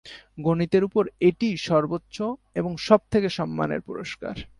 গণিতের উপর এটিই সর্বোচ্চ এবং সব থেকে সম্মানের পুরস্কার।